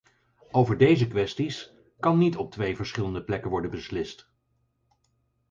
Over deze kwesties kan niet op twee verschillende plekken worden beslist.